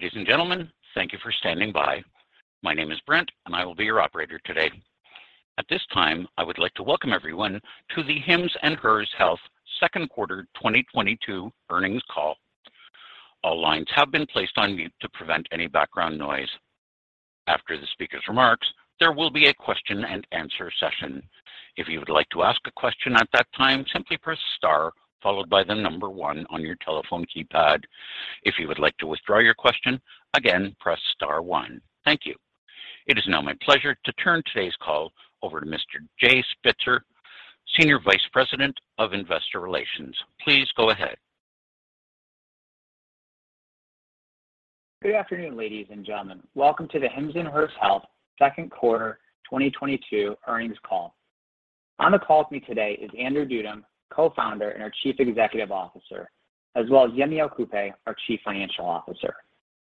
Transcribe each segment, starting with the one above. Ladies and gentlemen, thank you for standing by. My name is Brent, and I will be your operator today. At this time, I would like to welcome everyone to the Hims & Hers Health Second Quarter 2022 Earnings Call. All lines have been placed on mute to prevent any background noise. After the speaker's remarks, there will be a Q&A session. If you would like to ask a question at that time, simply press star followed by the number one on your telephone keypad. If you would like to withdraw your question, again, press star one. Thank you. It is now my pleasure to turn today's call over to Mr. Jay Spitzer, Senior Vice President of Investor Relations. Please go ahead. Good afternoon, ladies and gentlemen. Welcome to the Hims & Hers Health Second Quarter 2022 Earnings Call. On the call with me today is Andrew Dudum, Co-founder and our Chief Executive Officer, as well as Yemi Okupe, our Chief Financial Officer.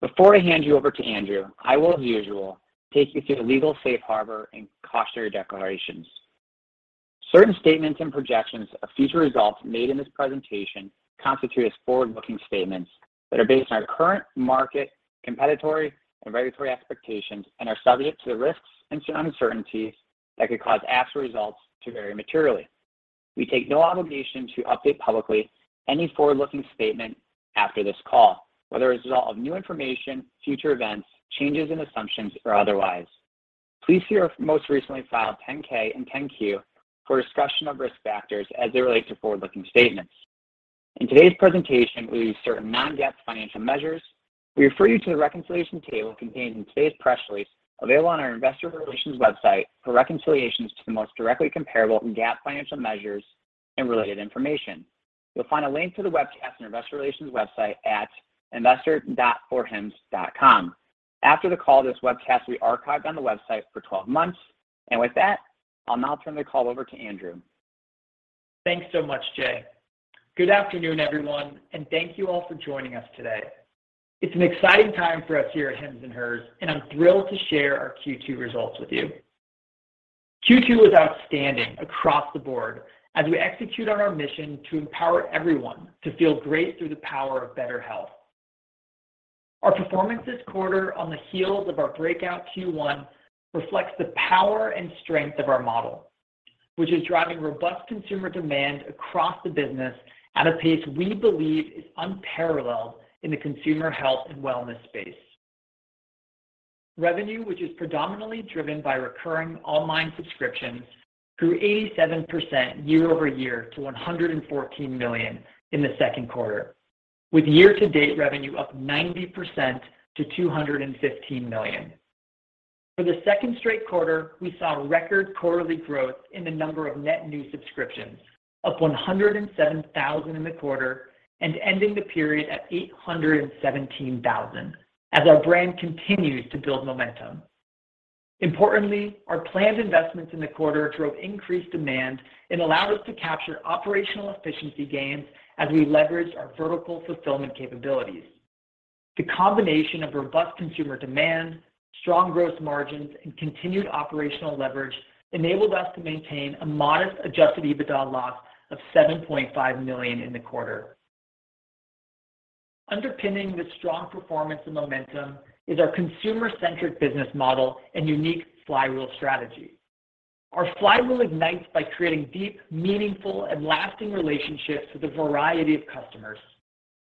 Before I hand you over to Andrew, I will, as usual, take you through the legal safe harbor and cautionary declarations. Certain statements and projections of future results made in this presentation constitute as forward-looking statements that are based on our current market, competitive, and regulatory expectations and are subject to the risks and uncertainties that could cause actual results to vary materially. We take no obligation to update publicly any forward-looking statement after this call, whether as a result of new information, future events, changes in assumptions, or otherwise. Please see our most recently filed 10-K and 10-Q for a discussion of risk factors as they relate to forward-looking statements. In today's presentation, we use certain non-GAAP financial measures. We refer you to the reconciliation table contained in today's press release available on our investor relations website for reconciliations to the most directly comparable GAAP financial measures and related information. You'll find a link to the webcast on our investor relations website at investors.forhims.com. After the call, this webcast will be archived on the website for 12 months. With that, I'll now turn the call over to Andrew. Thanks so much, Jay. Good afternoon, everyone, and thank you all for joining us today. It's an exciting time for us here at Hims & Hers, and I'm thrilled to share our Q2 results with you. Q2 was outstanding across the board as we execute on our mission to empower everyone to feel great through the power of better health. Our performance this quarter on the heels of our breakout Q1 reflects the power and strength of our model, which is driving robust consumer demand across the business at a pace we believe is unparalleled in the consumer health and wellness space. Revenue, which is predominantly driven by recurring online subscriptions, grew 87% year-over-year to $114 million in the second quarter, with year-to-date revenue up 90% to $215 million. For the second straight quarter, we saw record quarterly growth in the number of net new subscriptions, up 107,000 in the quarter and ending the period at 817,000 as our brand continues to build momentum. Importantly, our planned investments in the quarter drove increased demand and allowed us to capture operational efficiency gains as we leveraged our vertical fulfillment capabilities. The combination of robust consumer demand, strong gross margins, and continued operational leverage enabled us to maintain a modest adjusted EBITDA loss of $7.5 million in the quarter. Underpinning the strong performance and momentum is our consumer-centric business model and unique flywheel strategy. Our flywheel ignites by creating deep, meaningful, and lasting relationships with a variety of customers.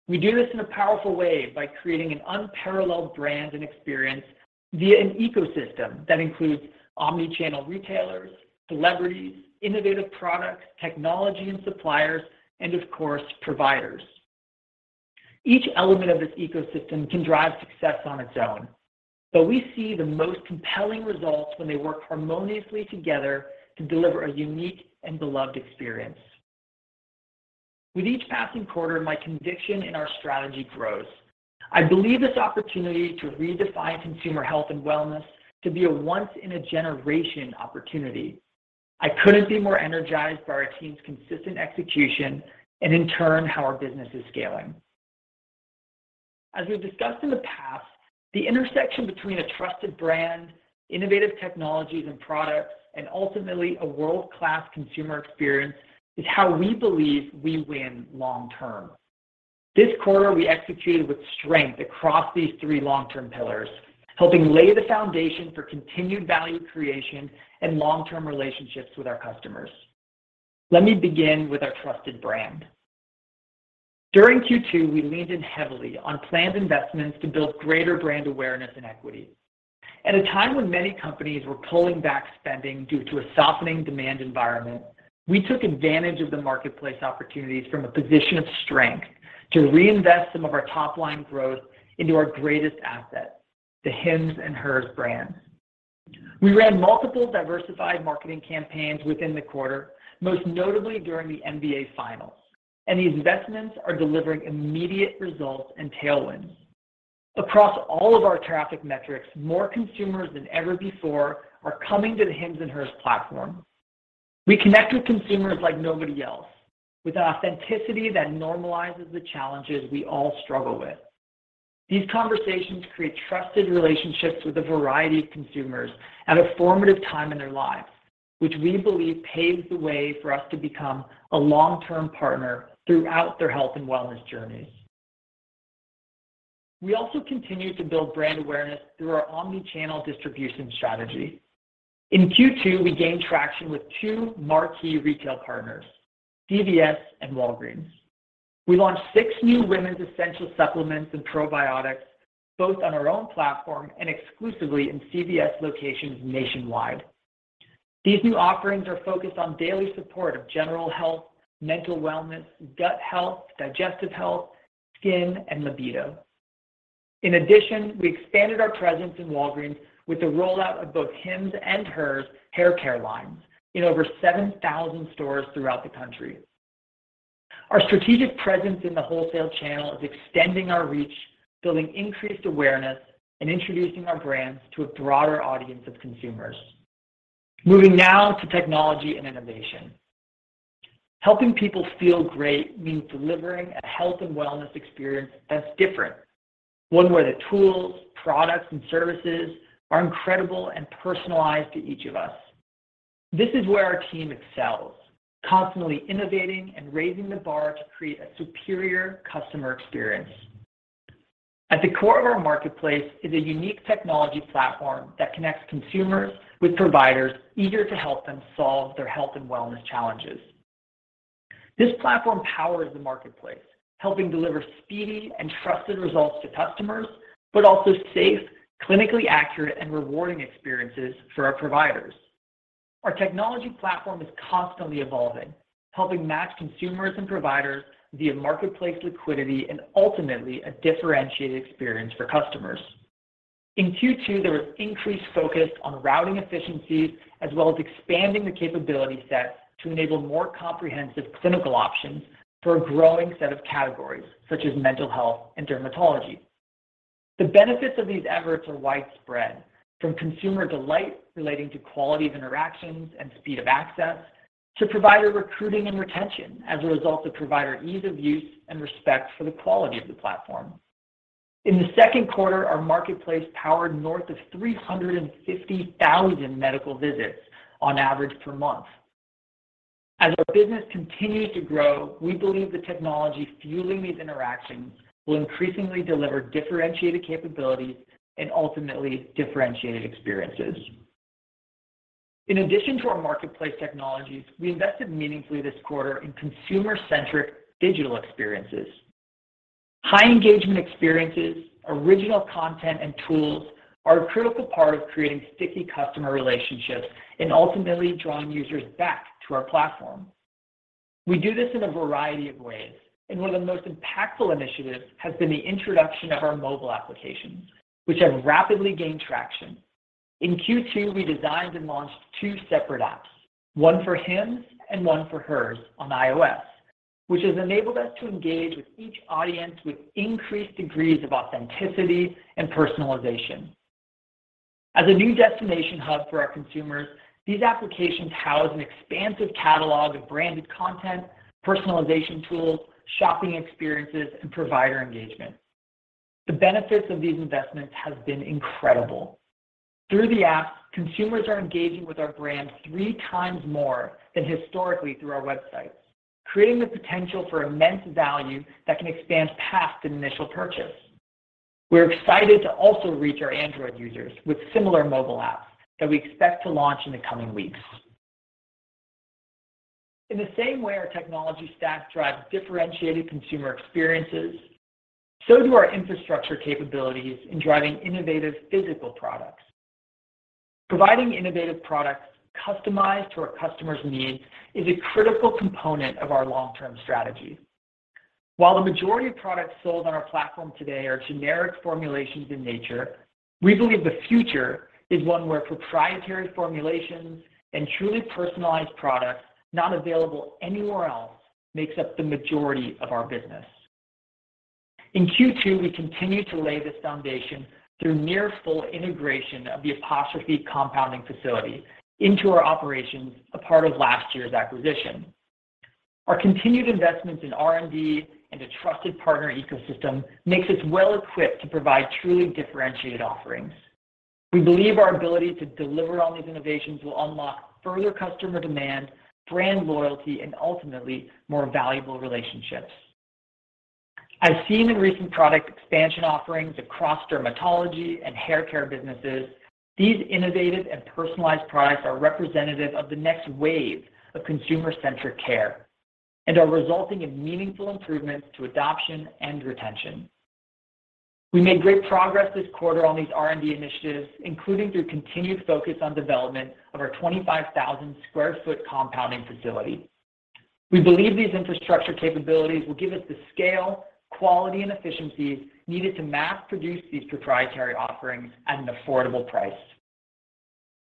We do this in a powerful way by creating an unparalleled brand and experience via an ecosystem that includes omni-channel retailers, celebrities, innovative products, technology and suppliers, and of course, providers. Each element of this ecosystem can drive success on its own, but we see the most compelling results when they work harmoniously together to deliver a unique and beloved experience. With each passing quarter, my conviction in our strategy grows. I believe this opportunity to redefine consumer health and wellness to be a once-in-a-generation opportunity. I couldn't be more energized by our team's consistent execution and in turn, how our business is scaling. As we've discussed in the past, the intersection between a trusted brand, innovative technologies and products, and ultimately, a world-class consumer experience is how we believe we win long term. This quarter, we executed with strength across these three long-term pillars, helping lay the foundation for continued value creation and long-term relationships with our customers. Let me begin with our trusted brand. During Q2, we leaned in heavily on planned investments to build greater brand awareness and equity. At a time when many companies were pulling back spending due to a softening demand environment, we took advantage of the marketplace opportunities from a position of strength to reinvest some of our top-line growth into our greatest asset, the Hims & Hers brands. We ran multiple diversified marketing campaigns within the quarter, most notably during the NBA Finals, and these investments are delivering immediate results and tailwinds. Across all of our traffic metrics, more consumers than ever before are coming to the Hims & Hers platform. We connect with consumers like nobody else with an authenticity that normalizes the challenges we all struggle with. These conversations create trusted relationships with a variety of consumers at a formative time in their lives, which we believe paves the way for us to become a long-term partner throughout their health and wellness journeys. We also continue to build brand awareness through our omni-channel distribution strategy. In Q2, we gained traction with two marquee retail partners, CVS and Walgreens. We launched six new women's essential supplements and probiotics, both on our own platform and exclusively in CVS locations nationwide. These new offerings are focused on daily support of general health, mental wellness, gut health, digestive health, skin, and libido. In addition, we expanded our presence in Walgreens with the rollout of both Hims & Hers hair care lines in over 7,000 stores throughout the country. Our strategic presence in the wholesale channel is extending our reach, building increased awareness, and introducing our brands to a broader audience of consumers. Moving now to technology and innovation. Helping people feel great means delivering a health and wellness experience that's different. One where the tools, products, and services are incredible and personalized to each of us. This is where our team excels, constantly innovating and raising the bar to create a superior customer experience. At the core of our marketplace is a unique technology platform that connects consumers with providers eager to help them solve their health and wellness challenges. This platform powers the marketplace, helping deliver speedy and trusted results to customers, but also safe, clinically accurate, and rewarding experiences for our providers. Our technology platform is constantly evolving, helping match consumers and providers via marketplace liquidity and ultimately a differentiated experience for customers. In Q2, there was increased focus on routing efficiencies as well as expanding the capability sets to enable more comprehensive clinical options for a growing set of categories, such as mental health and dermatology. The benefits of these efforts are widespread, from consumer delight relating to quality of interactions and speed of access, to provider recruiting and retention as a result of provider ease of use and respect for the quality of the platform. In the second quarter, our marketplace powered north of 350,000 medical visits on average per month. As our business continues to grow, we believe the technology fueling these interactions will increasingly deliver differentiated capabilities and ultimately differentiated experiences. In addition to our marketplace technologies, we invested meaningfully this quarter in consumer-centric digital experiences. High engagement experiences, original content and tools are a critical part of creating sticky customer relationships and ultimately drawing users back to our platform. We do this in a variety of ways, and one of the most impactful initiatives has been the introduction of our mobile applications, which have rapidly gained traction. In Q2, we designed and launched two separate apps, one for Hims and one for Hers on iOS, which has enabled us to engage with each audience with increased degrees of authenticity and personalization. As a new destination hub for our consumers, these applications house an expansive catalog of branded content, personalization tools, shopping experiences, and provider engagement. The benefits of these investments have been incredible. Through the apps, consumers are engaging with our brands three times more than historically through our websites, creating the potential for immense value that can expand past an initial purchase. We're excited to also reach our Android users with similar mobile apps that we expect to launch in the coming weeks. In the same way our technology stack drives differentiated consumer experiences, so do our infrastructure capabilities in driving innovative physical products. Providing innovative products customized to our customers' needs is a critical component of our long-term strategy. While the majority of products sold on our platform today are generic formulations in nature, we believe the future is one where proprietary formulations and truly personalized products not available anywhere else makes up the majority of our business. In Q2, we continued to lay this foundation through near full integration of the Apostrophe compounding facility into our operations, a part of last year's acquisition. Our continued investments in R&D and a trusted partner ecosystem makes us well-equipped to provide truly differentiated offerings. We believe our ability to deliver on these innovations will unlock further customer demand, brand loyalty, and ultimately more valuable relationships. As seen in recent product expansion offerings across dermatology and hair care businesses, these innovative and personalized products are representative of the next wave of consumer-centric care and are resulting in meaningful improvements to adoption and retention. We made great progress this quarter on these R&D initiatives, including through continued focus on development of our 25,000 sq ft compounding facility. We believe these infrastructure capabilities will give us the scale, quality, and efficiencies needed to mass produce these proprietary offerings at an affordable price.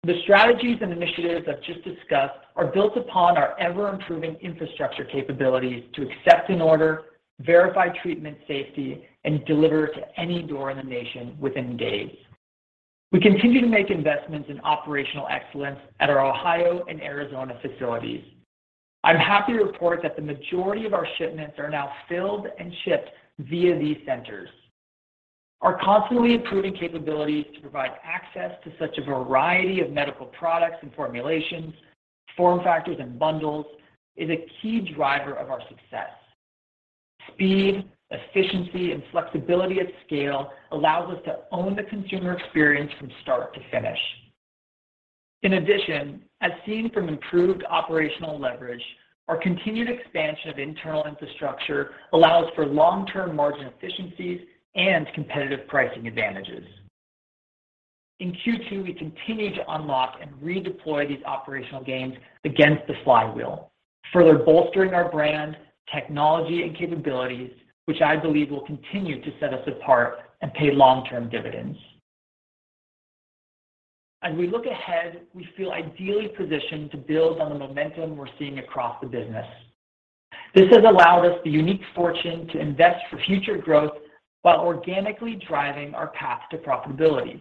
The strategies and initiatives I've just discussed are built upon our ever-improving infrastructure capabilities to accept an order, verify treatment safety, and deliver to any door in the nation within days. We continue to make investments in operational excellence at our Ohio and Arizona facilities. I'm happy to report that the majority of our shipments are now filled and shipped via these centers. Our constantly improving capabilities to provide access to such a variety of medical products and formulations, form factors, and bundles is a key driver of our success. Speed, efficiency, and flexibility at scale allows us to own the consumer experience from start to finish. In addition, as seen from improved operational leverage, our continued expansion of internal infrastructure allows for long-term margin efficiencies and competitive pricing advantages. In Q2, we continued to unlock and redeploy these operational gains against the flywheel, further bolstering our brand, technology, and capabilities, which I believe will continue to set us apart and pay long-term dividends. As we look ahead, we feel ideally positioned to build on the momentum we're seeing across the business. This has allowed us the unique fortune to invest for future growth while organically driving our path to profitability.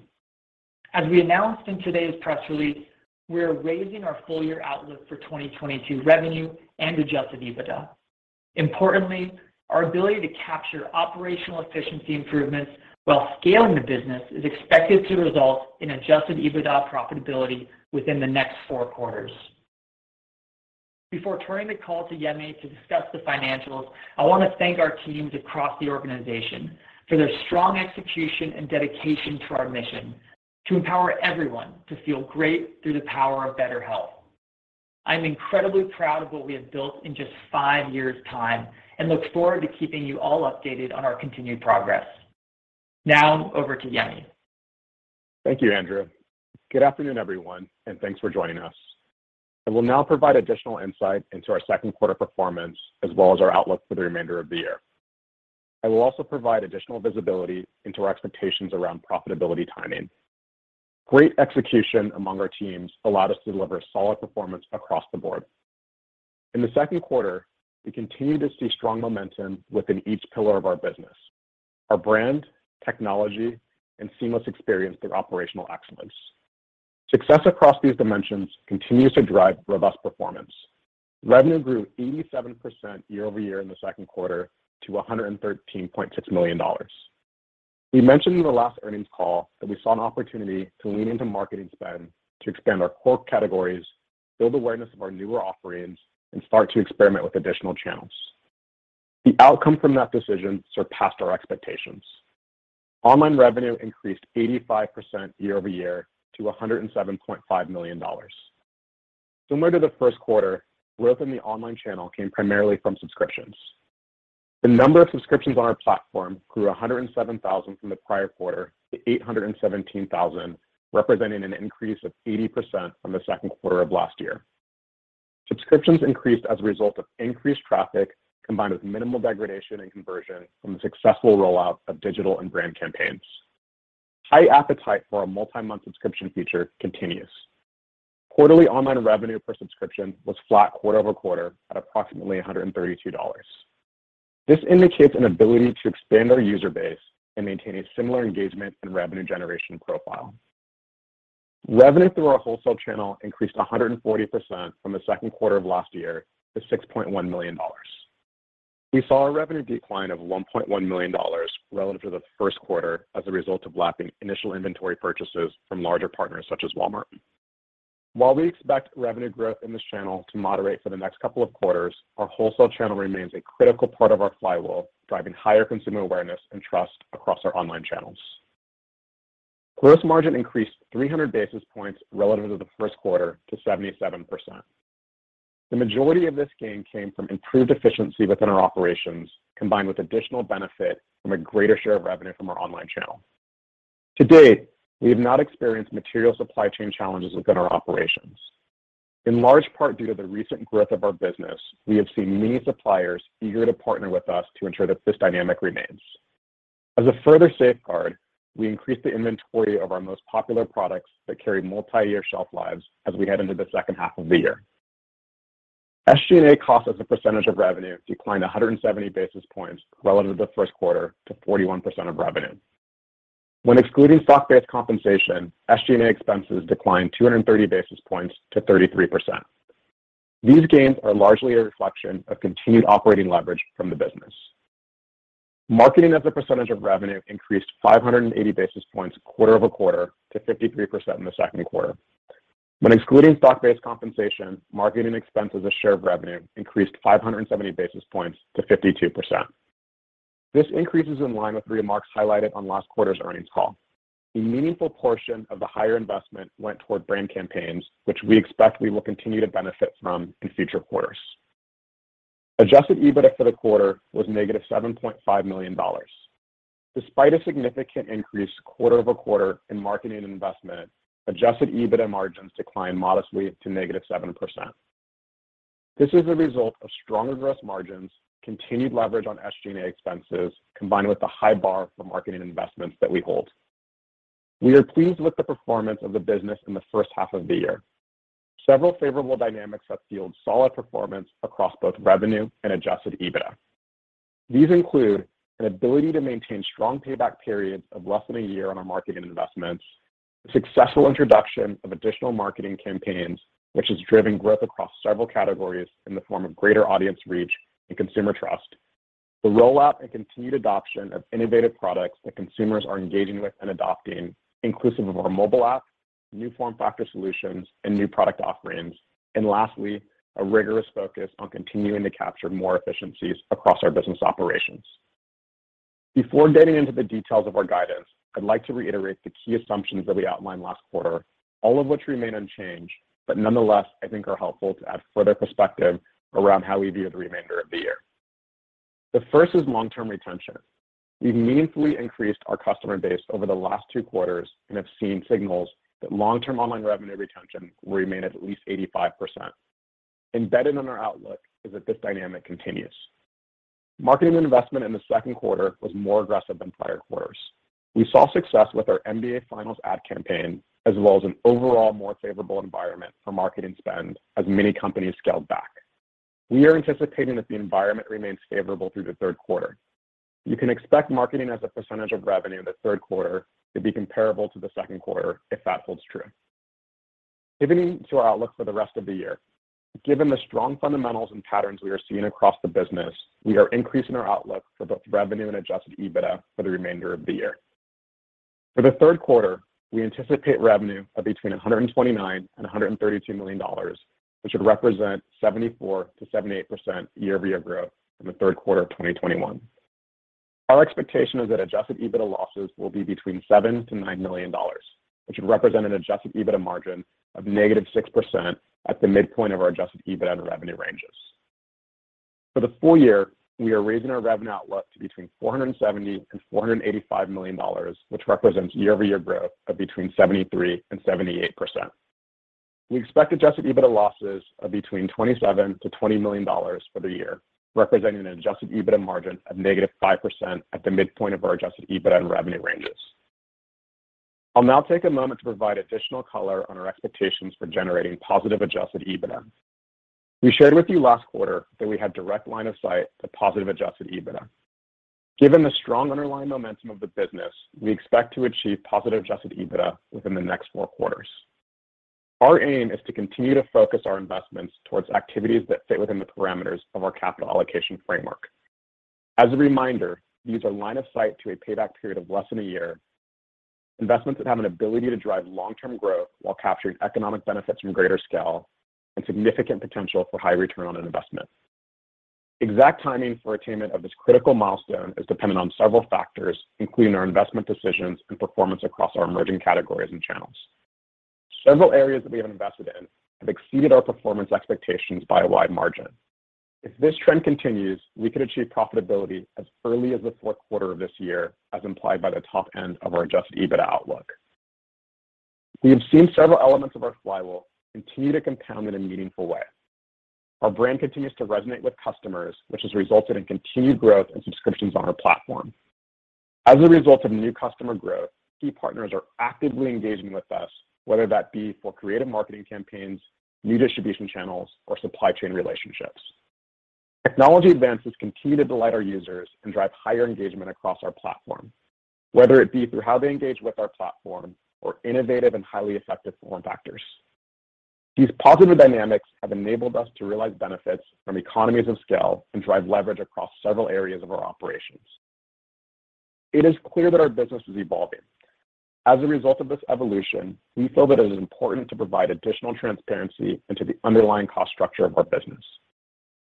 As we announced in today's press release, we are raising our full year outlook for 2022 revenue and adjusted EBITDA. Importantly, our ability to capture operational efficiency improvements while scaling the business is expected to result in adjusted EBITDA profitability within the next four quarters. Before turning the call to Yemi to discuss the financials, I want to thank our teams across the organization for their strong execution and dedication to our mission to empower everyone to feel great through the power of better health. I'm incredibly proud of what we have built in just five years' time and look forward to keeping you all updated on our continued progress. Now over to Yemi. Thank you, Andrew. Good afternoon, everyone, and thanks for joining us. I will now provide additional insight into our second quarter performance as well as our outlook for the remainder of the year. I will also provide additional visibility into our expectations around profitability timing. Great execution among our teams allowed us to deliver solid performance across the board. In the second quarter, we continued to see strong momentum within each pillar of our business, our brand, technology, and seamless experience through operational excellence. Success across these dimensions continues to drive robust performance. Revenue grew 87% year-over-year in the second quarter to $113.6 million. We mentioned in the last earnings call that we saw an opportunity to lean into marketing spend to expand our core categories, build awareness of our newer offerings, and start to experiment with additional channels. The outcome from that decision surpassed our expectations. Online revenue increased 85% year-over-year to $107.5 million. Similar to the first quarter, growth in the online channel came primarily from subscriptions. The number of subscriptions on our platform grew 107,000 from the prior quarter to 817,000, representing an increase of 80% from the second quarter of last year. Subscriptions increased as a result of increased traffic combined with minimal degradation in conversion from the successful rollout of digital and brand campaigns. High appetite for our multi-month subscription feature continues. Quarterly online revenue per subscription was flat quarter-over-quarter at approximately $132. This indicates an ability to expand our user base and maintain a similar engagement and revenue generation profile. Revenue through our wholesale channel increased 140% from the second quarter of last year to $6.1 million. We saw a revenue decline of $1.1 million relative to the first quarter as a result of lacking initial inventory purchases from larger partners such as Walmart. While we expect revenue growth in this channel to moderate for the next couple of quarters, our wholesale channel remains a critical part of our flywheel, driving higher consumer awareness and trust across our online channels. Gross margin increased 300 basis points relative to the first quarter to 77%. The majority of this gain came from improved efficiency within our operations, combined with additional benefit from a greater share of revenue from our online channel. To date, we have not experienced material supply chain challenges within our operations. In large part due to the recent growth of our business, we have seen many suppliers eager to partner with us to ensure that this dynamic remains. As a further safeguard, we increased the inventory of our most popular products that carry multi-year shelf lives as we head into the second half of the year. SG&A costs as a percentage of revenue declined 170 basis points relative to the first quarter to 41% of revenue. When excluding stock-based compensation, SG&A expenses declined 230 basis points to 33%. These gains are largely a reflection of continued operating leverage from the business. Marketing as a percentage of revenue increased 580 basis points quarter-over-quarter to 53% in the second quarter. When excluding stock-based compensation, marketing expense as a share of revenue increased 570 basis points to 52%. This increase is in line with remarks highlighted on last quarter's earnings call. A meaningful portion of the higher investment went toward brand campaigns, which we expect we will continue to benefit from in future quarters. Adjusted EBITDA for the quarter was -$7.5 million. Despite a significant increase quarter-over-quarter in marketing investment, adjusted EBITDA margins declined modestly to -7%. This is a result of stronger gross margins, continued leverage on SG&A expenses, combined with the high bar for marketing investments that we hold. We are pleased with the performance of the business in the first half of the year. Several favorable dynamics have fueled solid performance across both revenue and adjusted EBITDA. These include an ability to maintain strong payback periods of less than a year on our marketing investments. Successful introduction of additional marketing campaigns, which has driven growth across several categories in the form of greater audience reach and consumer trust. The rollout and continued adoption of innovative products that consumers are engaging with and adopting, inclusive of our mobile app, new form factor solutions, and new product offerings. Lastly, a rigorous focus on continuing to capture more efficiencies across our business operations. Before getting into the details of our guidance, I'd like to reiterate the key assumptions that we outlined last quarter, all of which remain unchanged, but nonetheless I think are helpful to add further perspective around how we view the remainder of the year. The first is long-term retention. We've meaningfully increased our customer base over the last two quarters and have seen signals that long-term online revenue retention will remain at least 85%. Embedded in our outlook is that this dynamic continues. Marketing investment in the second quarter was more aggressive than prior quarters. We saw success with our NBA Finals ad campaign, as well as an overall more favorable environment for marketing spend as many companies scaled back. We are anticipating that the environment remains favorable through the third quarter. You can expect marketing as a percentage of revenue in the third quarter to be comparable to the second quarter if that holds true. Pivoting to our outlook for the rest of the year, given the strong fundamentals and patterns we are seeing across the business, we are increasing our outlook for both revenue and adjusted EBITDA for the remainder of the year. For the third quarter, we anticipate revenue of between $129 million and $132 million, which would represent 74%-78% year-over-year growth from the third quarter of 2021. Our expectation is that adjusted EBITDA losses will be between $7 million and $9 million, which would represent an adjusted EBITDA margin of -6% at the midpoint of our adjusted EBITDA and revenue ranges. For the full year, we are raising our revenue outlook to between $470 million and $485 million, which represents year-over-year growth of between 73% and 78%. We expect adjusted EBITDA losses of between $27 million and $20 million for the year, representing an adjusted EBITDA margin of -5% at the midpoint of our adjusted EBITDA and revenue ranges. I'll now take a moment to provide additional color on our expectations for generating positive adjusted EBITDA. We shared with you last quarter that we had direct line of sight to positive adjusted EBITDA. Given the strong underlying momentum of the business, we expect to achieve positive adjusted EBITDA within the next four quarters. Our aim is to continue to focus our investments towards activities that fit within the parameters of our capital allocation framework. As a reminder, these are line of sight to a payback period of less than a year, investments that have an ability to drive long-term growth while capturing economic benefits from greater scale, and significant potential for high return on investment. Exact timing for attainment of this critical milestone is dependent on several factors, including our investment decisions and performance across our emerging categories and channels. Several areas that we have invested in have exceeded our performance expectations by a wide margin. If this trend continues, we could achieve profitability as early as the fourth quarter of this year, as implied by the top end of our adjusted EBITDA outlook. We have seen several elements of our flywheel continue to compound in a meaningful way. Our brand continues to resonate with customers, which has resulted in continued growth and subscriptions on our platform. As a result of new customer growth, key partners are actively engaging with us, whether that be for creative marketing campaigns, new distribution channels, or supply chain relationships. Technology advances continue to delight our users and drive higher engagement across our platform, whether it be through how they engage with our platform or innovative and highly effective form factors. These positive dynamics have enabled us to realize benefits from economies of scale and drive leverage across several areas of our operations. It is clear that our business is evolving. As a result of this evolution, we feel that it is important to provide additional transparency into the underlying cost structure of our business.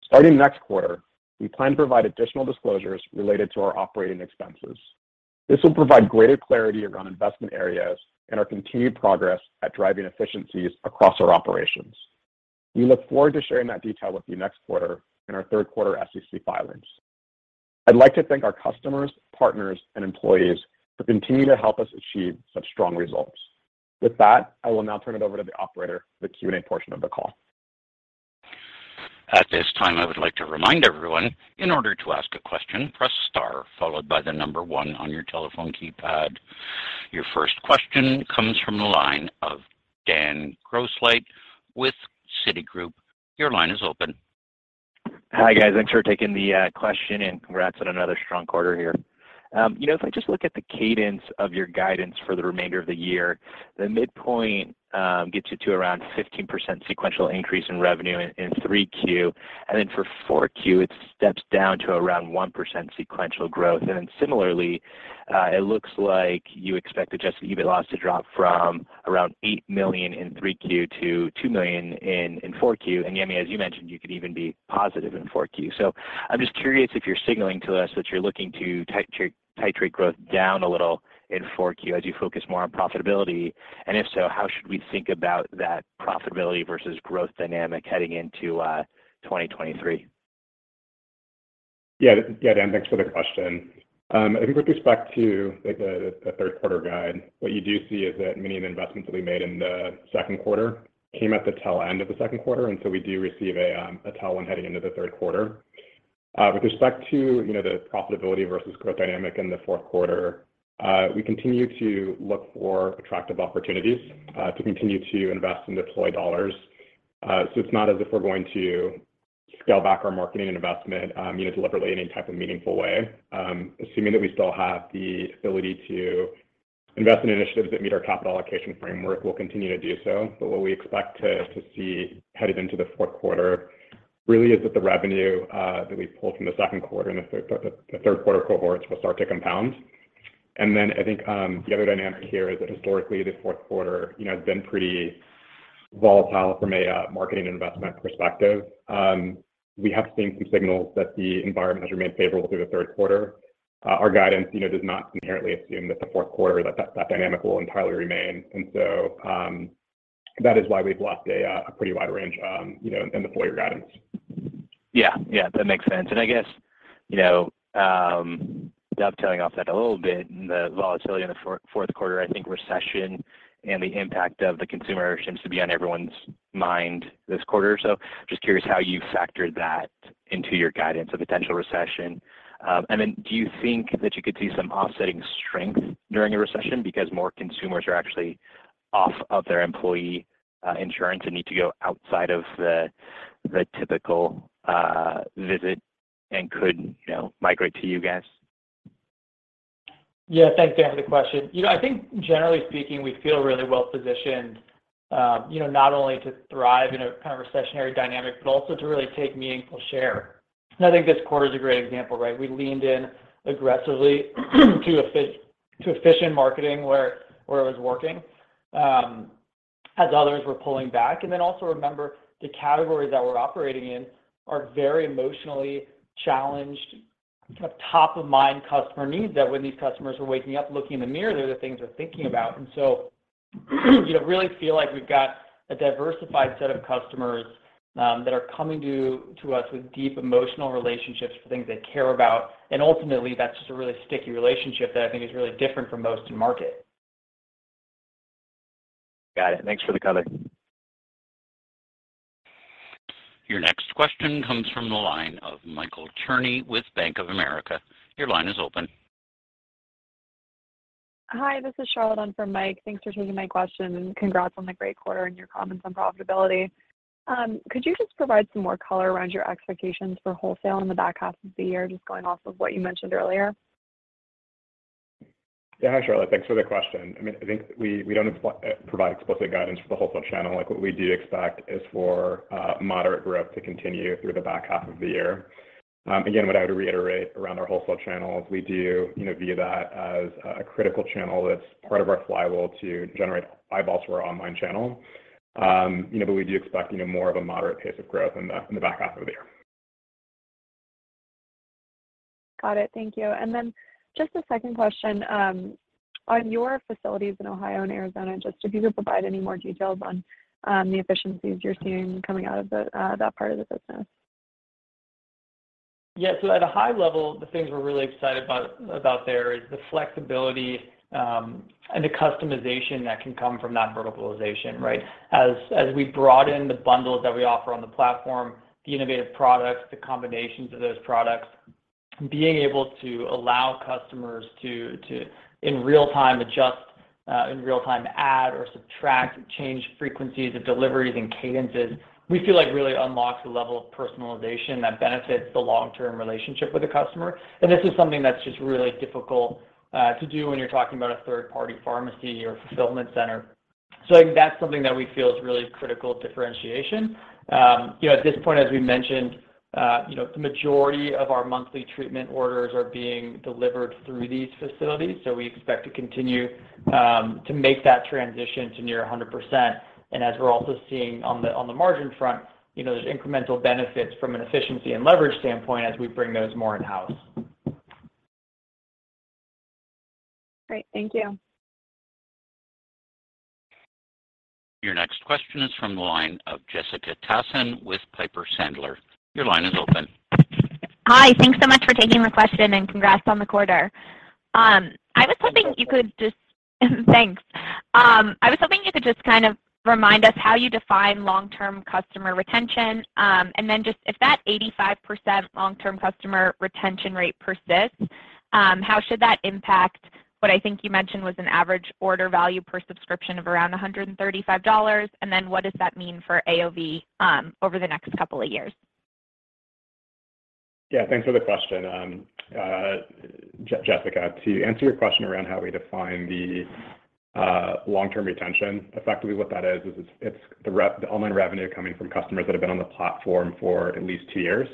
Starting next quarter, we plan to provide additional disclosures related to our operating expenses. This will provide greater clarity around investment areas and our continued progress at driving efficiencies across our operations. We look forward to sharing that detail with you next quarter in our third quarter SEC filings. I'd like to thank our customers, partners, and employees who continue to help us achieve such strong results. With that, I will now turn it over to the operator for the Q&A portion of the call. At this time, I would like to remind everyone, in order to ask a question, press star followed by the number one on your telephone keypad. Your first question comes from the line of Dan Grosslight with Citigroup. Your line is open. Hi, guys. Thanks for taking the question, and congrats on another strong quarter here. You know, if I just look at the cadence of your guidance for the remainder of the year, the midpoint gets you to around 15% sequential increase in revenue in Q3. Then for Q4, it steps down to around 1% sequential growth. Then similarly, it looks like you expect adjusted EBIT loss to drop from around $8 million in Q3 to $2 million in Q4. Yemi, as you mentioned, you could even be positive in Q4. I'm just curious if you're signaling to us that you're looking to titrate growth down a little in Q4 as you focus more on profitability. If so, how should we think about that profitability versus growth dynamic heading into 2023? Yeah. Yeah, Dan, thanks for the question. I think with respect to, like, the third quarter guide, what you do see is that many of the investments that we made in the second quarter came at the tail end of the second quarter, and so we do receive a tailwind heading into the third quarter. With respect to, you know, the profitability versus growth dynamic in the fourth quarter, we continue to look for attractive opportunities to continue to invest and deploy dollars. It's not as if we're going to scale back our marketing and investment, you know, deliberately in any type of meaningful way. Assuming that we still have the ability to invest in initiatives that meet our capital allocation framework, we'll continue to do so. What we expect to see headed into the fourth quarter really is that the revenue that we pulled from the second quarter and the third quarter cohorts will start to compound. I think the other dynamic here is that historically, the fourth quarter, you know, has been pretty volatile from a marketing investment perspective. We have seen some signals that the environment has remained favorable through the third quarter. Our guidance, you know, does not inherently assume that the fourth quarter, that dynamic will entirely remain. That is why we've left a pretty wide range, you know, in the full year guidance. Yeah. Yeah, that makes sense. I guess, you know, dovetailing off that a little bit in the volatility in the fourth quarter, I think recession and the impact of the consumer seems to be on everyone's mind this quarter. Just curious how you factored that into your guidance, a potential recession. Do you think that you could see some offsetting strength during a recession because more consumers are actually off of their employee insurance and need to go outside of the typical visit and could, you know, migrate to you guys? Yeah. Thanks, Dan, for the question. You know, I think generally speaking, we feel really well-positioned, you know, not only to thrive in a kind of recessionary dynamic, but also to really take meaningful share. I think this quarter is a great example, right? We leaned in aggressively to efficient marketing where it was working, as others were pulling back. Then also remember the categories that we're operating in are very emotionally challenged, kind of top-of-mind customer needs, that when these customers are waking up, looking in the mirror, they're the things they're thinking about. You know, really feel like we've got a diversified set of customers, that are coming to us with deep emotional relationships for things they care about. Ultimately, that's just a really sticky relationship that I think is really different from most in market. Got it. Thanks for the color. Your next question comes from the line of Michael Cherny with Bank of America. Your line is open. Hi, this is Charlotte in for Mike. Thanks for taking my question, and congrats on the great quarter and your comments on profitability. Could you just provide some more color around your expectations for wholesale in the back half of the year, just going off of what you mentioned earlier? Yeah. Hi, Charlotte. Thanks for the question. I mean, I think we don't provide explicit guidance for the wholesale channel. Like, what we do expect is for moderate growth to continue through the back half of the year. Again, what I would reiterate around our wholesale channels, we do view that as a critical channel that's part of our flywheel to generate eyeballs to our online channel. You know, but we do expect, you know, more of a moderate pace of growth in the back half of the year. Got it. Thank you. Just a second question on your facilities in Ohio and Arizona, just if you could provide any more details on the efficiencies you're seeing coming out of that part of the business? Yeah. At a high level, the things we're really excited about there is the flexibility and the customization that can come from that verticalization, right? As we broaden the bundles that we offer on the platform, the innovative products, the combinations of those products, being able to allow customers to in real time adjust, in real time add or subtract, change frequencies of deliveries and cadences, we feel like really unlocks a level of personalization that benefits the long-term relationship with the customer. This is something that's just really difficult to do when you're talking about a third-party pharmacy or fulfillment center. I think that's something that we feel is really critical differentiation. You know, at this point, as we mentioned, you know, the majority of our monthly treatment orders are being delivered through these facilities. We expect to continue to make that transition to near 100%. As we're also seeing on the margin front, you know, there's incremental benefits from an efficiency and leverage standpoint as we bring those more in-house. Great. Thank you. Your next question is from the line of Jessica Tassan with Piper Sandler. Your line is open. Hi. Thanks so much for taking the question, and congrats on the quarter. I was hoping you could just kind of remind us how you define long-term customer retention. Just if that 85% long-term customer retention rate persists, how should that impact what I think you mentioned was an average order value per subscription of around $135? What does that mean for AOV over the next couple of years? Yeah, thanks for the question, Jessica. To answer your question around how we define the long-term retention, effectively what that is it's the online revenue coming from customers that have been on the platform for at least two years.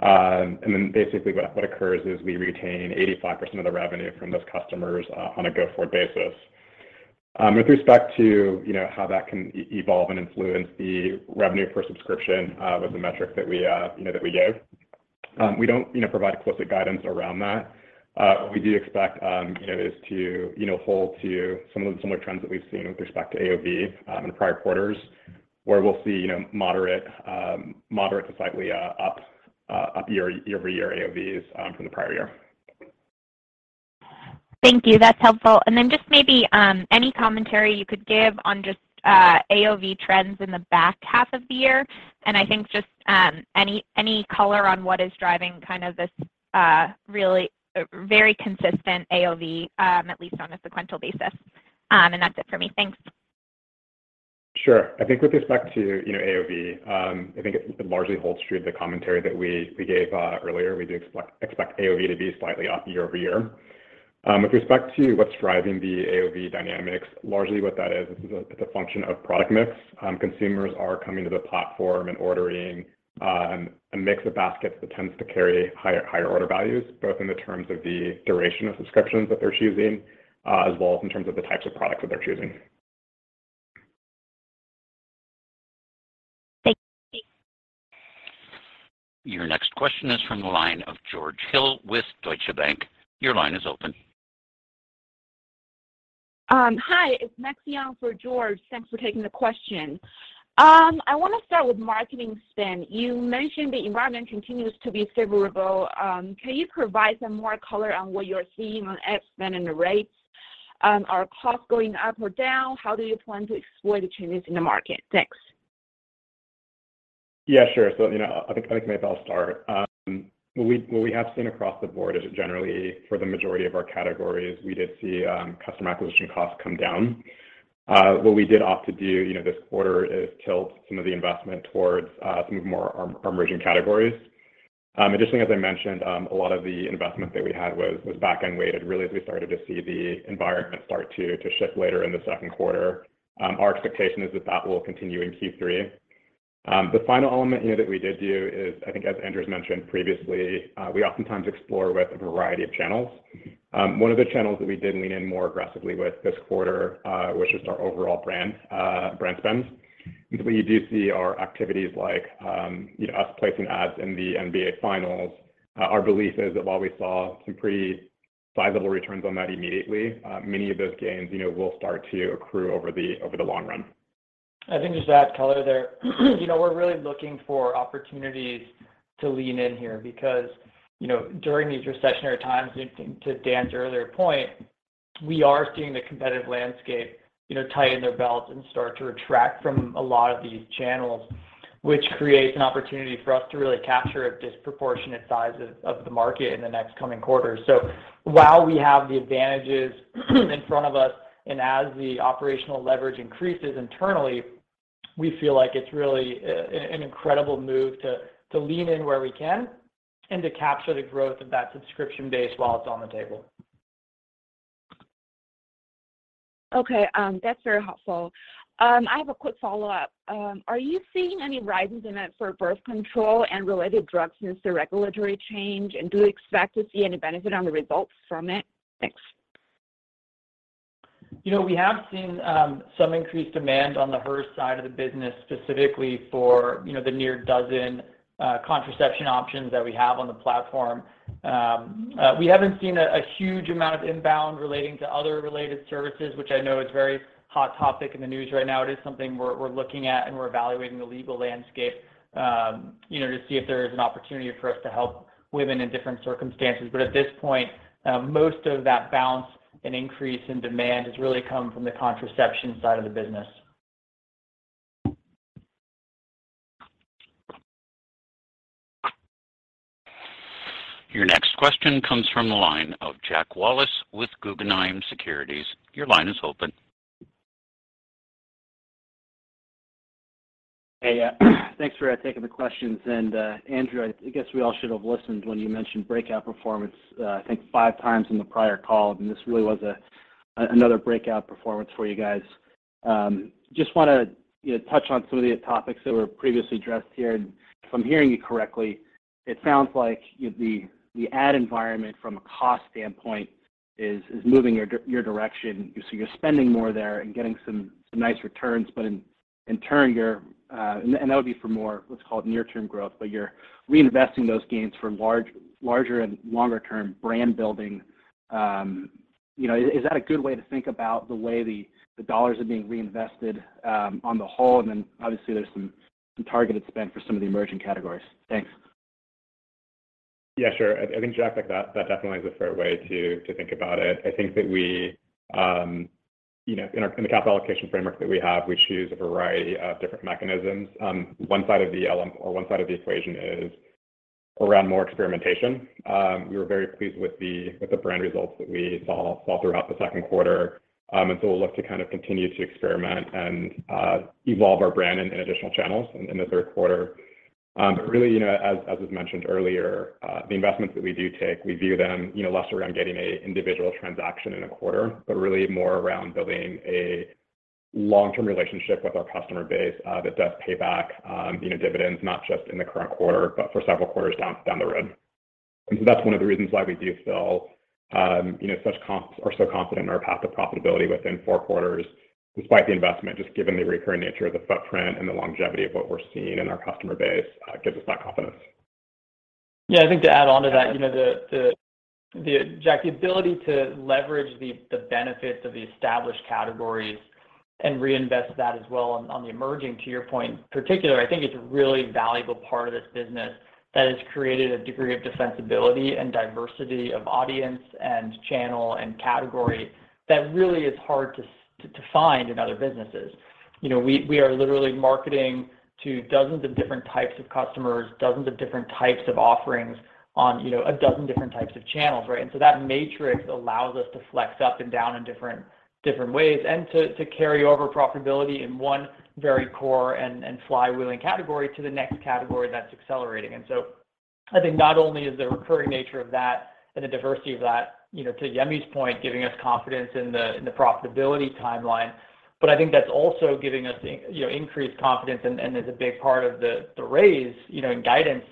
Basically what occurs is we retain 85% of the revenue from those customers on a go-forward basis. With respect to, you know, how that can evolve and influence the revenue per subscription, was the metric that we, you know, that we gave. We don't, you know, provide explicit guidance around that. What we do expect, you know, is to, you know, hold to some of the similar trends that we've seen with respect to AOV in prior quarters, where we'll see, you know, moderate to slightly up year over year AOVs from the prior year. Thank you. That's helpful. Just maybe any commentary you could give on just AOV trends in the back half of the year, and I think just any color on what is driving kind of this really very consistent AOV at least on a sequential basis. That's it for me. Thanks. Sure. I think with respect to, you know, AOV, I think it largely holds true to the commentary that we gave earlier. We do expect AOV to be slightly up year-over-year. With respect to what's driving the AOV dynamics, largely what that is is it's a function of product mix. Consumers are coming to the platform and ordering a mix of baskets that tends to carry higher order values, both in terms of the duration of subscriptions that they're choosing, as well as in terms of the types of products that they're choosing. Thank you. Your next question is from the line of George Hill with Deutsche Bank. Your line is open. Hi. It's [Maxi] on for George Hill. Thanks for taking the question. I wanna start with marketing spend. You mentioned the environment continues to be favorable. Can you provide some more color on what you're seeing on ad spend and the rates? Are costs going up or down? How do you plan to exploit the changes in the market? Thanks. Yeah, sure. You know, I think maybe I'll start. What we have seen across the board is generally for the majority of our categories, we did see customer acquisition costs come down. What we did opt to do, you know, this quarter is tilt some of the investment towards some of more emerging categories. Additionally, as I mentioned, a lot of the investment that we had was backend weighted really as we started to see the environment start to shift later in the second quarter. Our expectation is that that will continue in Q3. The final element, you know, that we did do is, I think as Andrew's mentioned previously, we oftentimes explore with a variety of channels. One of the channels that we did lean in more aggressively with this quarter was just our overall brand spends. You do see our activities like, you know, us placing ads in the NBA finals. Our belief is that while we saw some pretty sizable returns on that immediately, many of those gains, you know, will start to accrue over the long run. I think just to add color there, you know, we're really looking for opportunities to lean in here because, you know, during these recessionary times, and to Dan's earlier point, we are seeing the competitive landscape, you know, tighten their belts and start to retract from a lot of these channels, which creates an opportunity for us to really capture a disproportionate size of the market in the next coming quarters. So while we have the advantages in front of us, and as the operational leverage increases internally, we feel like it's really an incredible move to lean in where we can and to capture the growth of that subscription base while it's on the table. Okay. That's very helpful. I have a quick follow-up. Are you seeing any rises in it for birth control and related drugs since the regulatory change, and do you expect to see any benefit on the results from it? Thanks. You know, we have seen some increased demand on the Hers side of the business, specifically for, you know, the nearly a dozen contraception options that we have on the platform. We haven't seen a huge amount of inbound relating to other related services, which I know is a very hot topic in the news right now. It is something we're looking at, and we're evaluating the legal landscape to see if there is an opportunity for us to help women in different circumstances. At this point, most of that bounce and increase in demand has really come from the contraception side of the business. Your next question comes from the line of Jack Wallace with Guggenheim Securities. Your line is open. Hey, thanks for taking the questions. Andrew, I guess we all should have listened when you mentioned breakout performance. I think five times in the prior call. This really was another breakout performance for you guys. Just wanna, you know, touch on some of the topics that were previously addressed here. If I'm hearing you correctly, it sounds like the ad environment from a cost standpoint is moving your direction. You're spending more there and getting some nice returns. In turn, that would be for more, let's call it near-term growth. You're reinvesting those gains for larger and longer-term brand building. You know, is that a good way to think about the way the dollars are being reinvested on the whole? Obviously there's some targeted spend for some of the emerging categories. Thanks. Yeah, sure. I think, Jack, like that definitely is a fair way to think about it. I think that we, you know, in our capital allocation framework that we have, we choose a variety of different mechanisms. One side of the equation is around more experimentation. We were very pleased with the brand results that we saw throughout the second quarter. We'll look to kind of continue to experiment and evolve our brand in additional channels in the third quarter. Really, you know, as was mentioned earlier, the investments that we do take, we view them, you know, less around getting an individual transaction in a quarter, but really more around building a long-term relationship with our customer base, that does pay back, you know, dividends, not just in the current quarter, but for several quarters down the road. And so that's one of the reasons why we do feel, you know, so confident in our path to profitability within four quarters, despite the investment, just given the recurring nature of the footprint and the longevity of what we're seeing in our customer base, gives us that confidence. Yeah, I think to add onto that, you know, Jack, the ability to leverage the benefits of the established categories and reinvest that as well on the emerging there, in particular, I think it's a really valuable part of this business that has created a degree of defensibility and diversity of audience and channel and category that really is hard to find in other businesses. You know, we are literally marketing to dozens of different types of customers, dozens of different types of offerings on, you know, a dozen different types of channels, right? That matrix allows us to flex up and down in different ways and to carry over profitability in one very core and flywheel category to the next category that's accelerating. I think not only is the recurring nature of that and the diversity of that, to Yemi's point, giving us confidence in the profitability timeline, but I think that's also giving us, you know, increased confidence and is a big part of the raise, you know, in guidance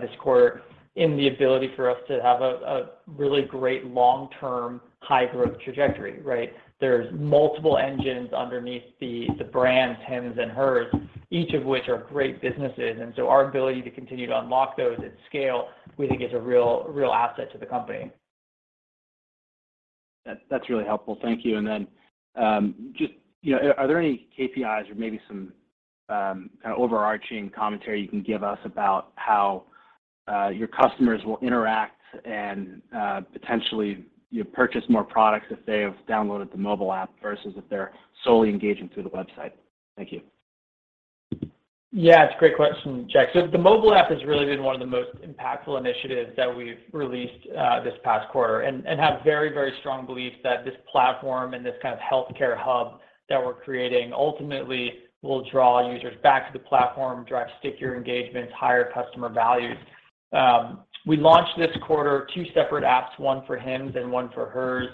this quarter in the ability for us to have a really great long-term high growth trajectory, right? There's multiple engines underneath the brands, Hims & Hers, each of which are great businesses. Our ability to continue to unlock those at scale, we think is a real asset to the company. That's really helpful. Thank you. Just, you know, are there any KPIs or maybe some kind of overarching commentary you can give us about how your customers will interact and potentially, you know, purchase more products if they have downloaded the mobile app versus if they're solely engaging through the website? Thank you. Yeah. It's a great question, Jack. The mobile app has really been one of the most impactful initiatives that we've released this past quarter and have very, very strong belief that this platform and this kind of healthcare hub that we're creating ultimately will draw users back to the platform, drive stickier engagements, higher customer values. We launched this quarter two separate apps, one for Hims and one for Hers,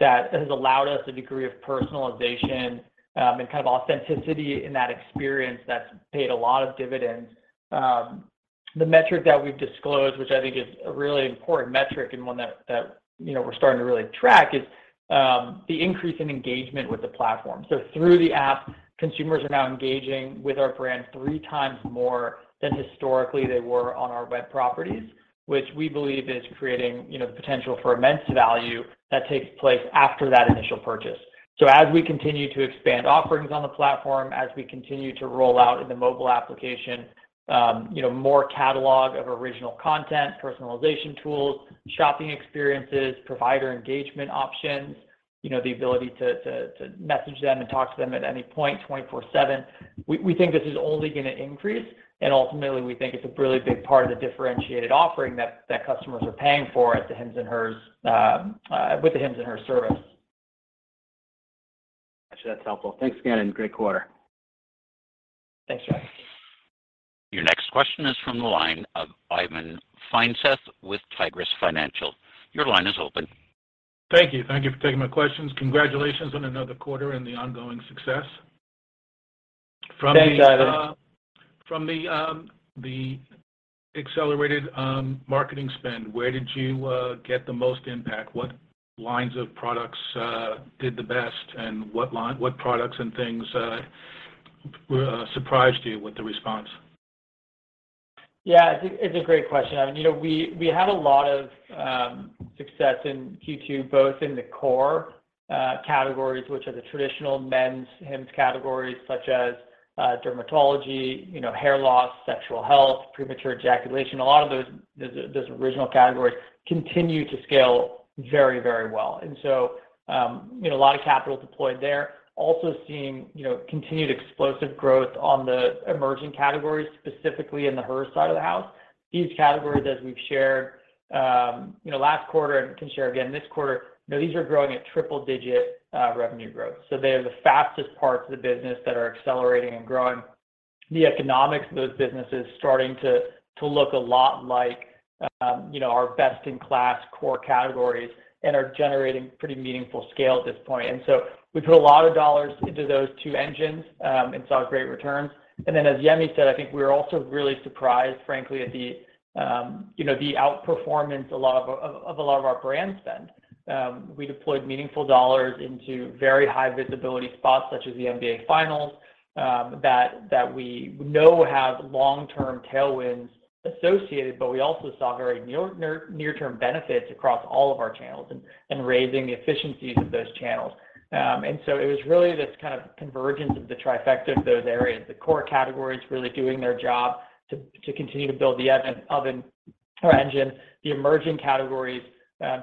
that has allowed us a degree of personalization and kind of authenticity in that experience that's paid a lot of dividends. The metric that we've disclosed, which I think is a really important metric and one that you know we're starting to really track is the increase in engagement with the platform. Through the app, consumers are now engaging with our brand 3x more than historically they were on our web properties, which we believe is creating, you know, the potential for immense value that takes place after that initial purchase. As we continue to expand offerings on the platform, as we continue to roll out in the mobile application, you know, more catalog of original content, personalization tools, shopping experiences, provider engagement options, you know, the ability to message them and talk to them at any point 24/7, we think this is only gonna increase. Ultimately, we think it's a really big part of the differentiated offering that customers are paying for at the Hims & Hers- with the Hims & Hers service. Gotcha. That's helpful. Thanks again, and great quarter. Thanks, Jack. Your next question is from the line of Ivan Feinseth with Tigress Financial Partners. Your line is open. Thank you. Thank you for taking my questions. Congratulations on another quarter and the ongoing success. From the Thanks, Ivan. From the accelerated marketing spend, where did you get the most impact? What lines of products did the best and what products and things surprised you with the response? Yeah. It's a great question. You know, we had a lot of success in Q2, both in the core categories, which are the traditional men's Hims categories such as dermatology, you know, hair loss, sexual health, premature ejaculation. A lot of those original categories continue to scale very, very well. A lot of capital deployed there. Also seeing continued explosive growth on the emerging categories, specifically in the Hers side of the house. These categories, as we've shared, you know, last quarter and can share again this quarter, you know, these are growing at triple digit revenue growth. They are the fastest parts of the business that are accelerating and growing. The economics of those businesses starting to look a lot like our best in class core categories and are generating pretty meaningful scale at this point. We put a lot of dollars into those two engines and saw great returns. As Yemi said, I think we're also really surprised, frankly, at the outperformance of a lot of our brand spend. We deployed meaningful dollars into very high visibility spots such as the NBA finals that we know have long-term tailwinds associated, but we also saw very near-term benefits across all of our channels and raising the efficiencies of those channels. It was really this kind of convergence of the trifecta of those areas, the core categories really doing their job to continue to build the engine, the emerging categories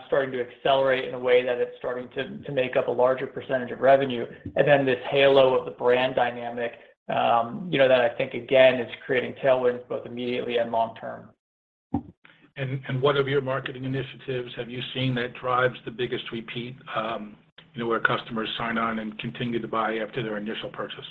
starting to accelerate in a way that it's starting to make up a larger percentage of revenue. Then this halo of the brand dynamic, you know, that I think again is creating tailwinds both immediately and long term. What of your marketing initiatives have you seen that drives the biggest repeat, you know, where customers sign on and continue to buy after their initial purchase?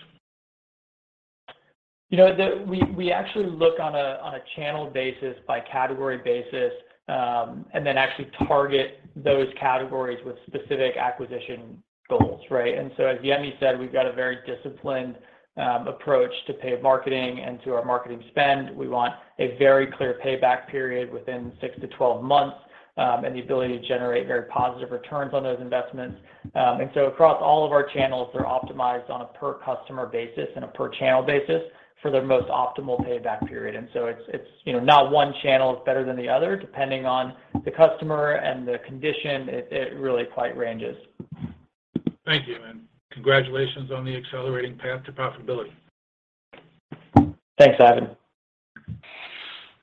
You know, we actually look on a channel basis by category basis, and then actually target those categories with specific acquisition goals, right? As Yemi said, we've got a very disciplined approach to paid marketing and to our marketing spend. We want a very clear payback period within 6-12 months, and the ability to generate very positive returns on those investments. Across all of our channels are optimized on a per customer basis and a per channel basis for their most optimal payback period. It's, you know, no one channel is better than the other, depending on the customer and the condition, it really quite ranges. Thank you, and congratulations on the accelerating path to profitability. Thanks, Ivan.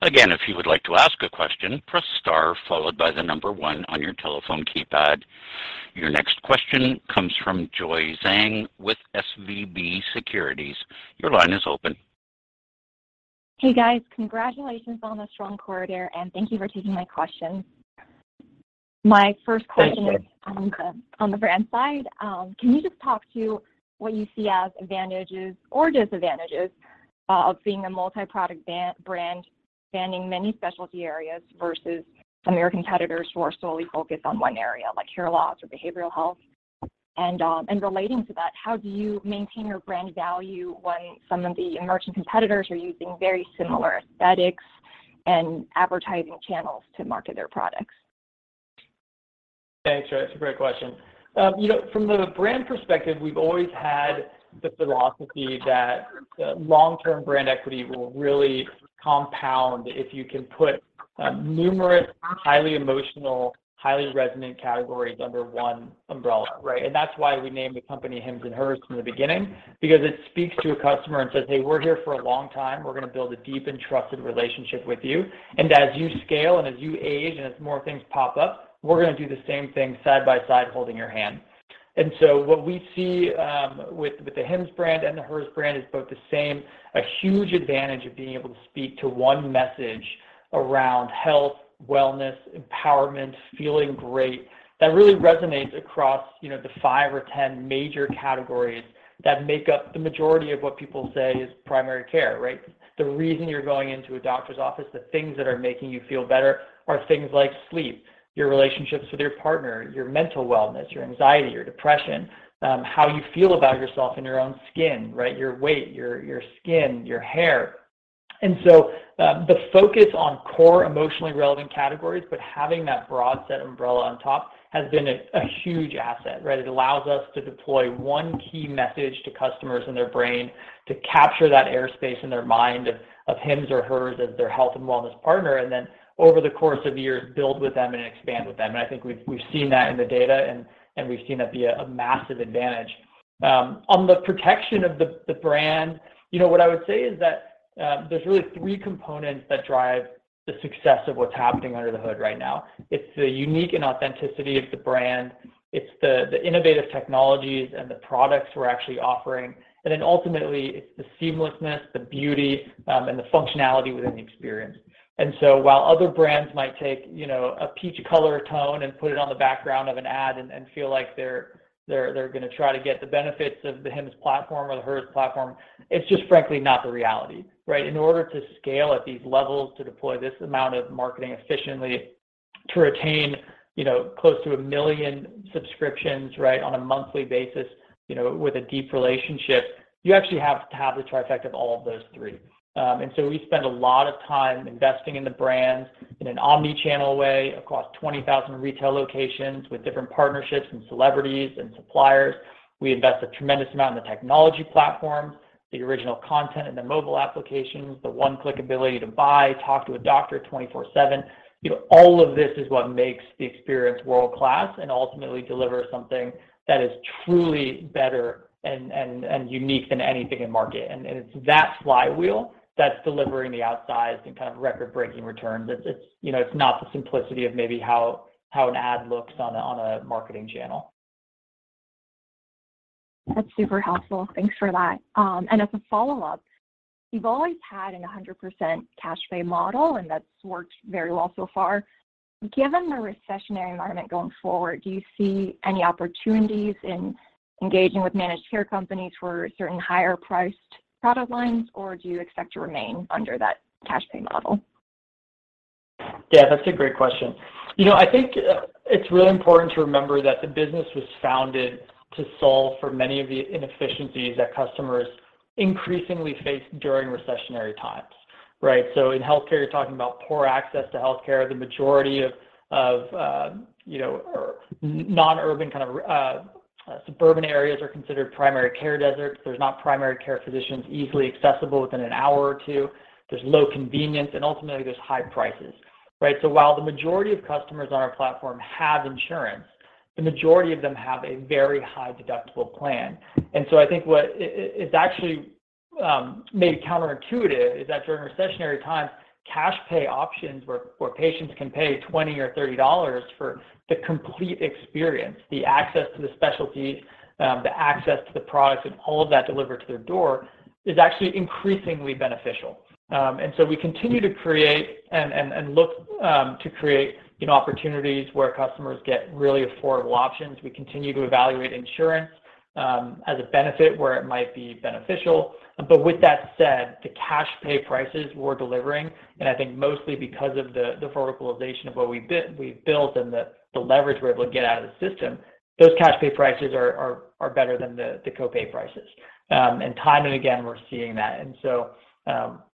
Again, if you would like to ask a question, press star followed by the number one on your telephone keypad. Your next question comes from Joy Zhang with SVB Securities. Your line is open. Hey, guys. Congratulations on the strong quarter, and thank you for taking my questions. My first question is on the brand side. Can you just talk to what you see as advantages or disadvantages of being a multi-product brand spanning many specialty areas versus some of your competitors who are solely focused on one area like hair loss or behavioral health? Relating to that, how do you maintain your brand value when some of the emerging competitors are using very similar aesthetics and advertising channels to market their products? Thanks. That's a great question. You know, from the brand perspective, we've always had the philosophy that long-term brand equity will really compound if you can put numerous, highly emotional, highly resonant categories under one umbrella, right? That's why we named the company Hims & Hers from the beginning, because it speaks to a customer and says, "Hey, we're here for a long time. We're gonna build a deep and trusted relationship with you. And as you scale and as you age and as more things pop up, we're gonna do the same thing side by side, holding your hand." What we see with the Hims brand and the Hers brand is both the same. A huge advantage of being able to speak to one message around health, wellness, empowerment, feeling great. That really resonates across, you know, the five or 10 major categories that make up the majority of what people say is primary care, right? The reason you're going into a doctor's office, the things that are making you feel better are things like sleep, your relationships with your partner, your mental wellness, your anxiety, your depression, how you feel about yourself in your own skin, right? Your weight, your skin, your hair. The focus on core emotionally relevant categories, but having that broad set umbrella on top has been a huge asset, right? It allows us to deploy one key message to customers in their brain to capture that airspace in their mind of Hims or Hers as their health and wellness partner, and then over the course of years, build with them and expand with them. I think we've seen that in the data and we've seen that be a massive advantage. On the protection of the brand, you know, what I would say is that there's really three components that drive the success of what's happening under the hood right now. It's the uniqueness and authenticity of the brand, it's the innovative technologies and the products we're actually offering, and then ultimately, it's the seamlessness, the beauty, and the functionality within the experience. While other brands might take, you know, a peach color tone and put it on the background of an ad and feel like they're gonna try to get the benefits of the Hims platform or the Hers platform, it's just frankly not the reality, right? In order to scale at these levels, to deploy this amount of marketing efficiently to retain, you know, close to a million subscriptions, right, on a monthly basis, you know, with a deep relationship, you actually have to have the trifecta of all of those three. We spend a lot of time investing in the brands in an omni-channel way across 20,000 retail locations with different partnerships and celebrities and suppliers. We invest a tremendous amount in the technology platform, the original content, and the mobile applications. The one-click ability to buy, talk to a doctor 24/7. You know, all of this is what makes the experience world-class and ultimately deliver something that is truly better and unique than anything in market. It's that flywheel that's delivering the outsized and kind of record-breaking returns. It's you know, it's not the simplicity of maybe how an ad looks on a marketing channel. That's super helpful. Thanks for that. As a follow-up, you've always had a 100% cash pay model, and that's worked very well so far. Given the recessionary environment going forward, do you see any opportunities in engaging with managed care companies for certain higher priced product lines, or do you expect to remain under that cash pay model? Yeah, that's a great question. You know, I think it's really important to remember that the business was founded to solve for many of the inefficiencies that customers increasingly face during recessionary times, right? In healthcare, you're talking about poor access to healthcare. The majority of you know or non-urban kind of suburban areas are considered primary care deserts. There's not primary care physicians easily accessible within an hour or two. There's low convenience, and ultimately, there's high prices, right? While the majority of customers on our platform have insurance, the majority of them have a very high deductible plan. I think what it's actually maybe counterintuitive is that during recessionary times, cash pay options where patients can pay $20 or $30 for the complete experience, the access to the specialties, the access to the products and all of that delivered to their door is actually increasingly beneficial. We continue to create and look to create, you know, opportunities where customers get really affordable options. We continue to evaluate insurance as a benefit where it might be beneficial. But with that said, the cash pay prices we're delivering, and I think mostly because of the verticalization of what we've built and the leverage we're able to get out of the system, those cash pay prices are better than the co-pay prices. Time and again, we're seeing that.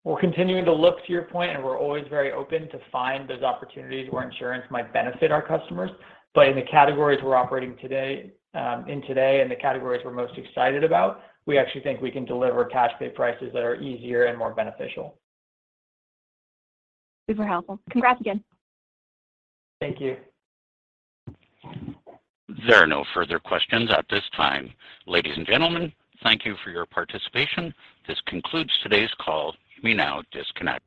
We're continuing to look to your point, and we're always very open to find those opportunities where insurance might benefit our customers. In the categories we're operating today and the categories we're most excited about, we actually think we can deliver cash pay prices that are easier and more beneficial. Super helpful. Congrats again. Thank you. There are no further questions at this time. Ladies and gentlemen, thank you for your participation. This concludes today's call. You may now disconnect.